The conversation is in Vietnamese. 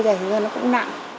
cho nên là bây giờ nó cũng nặng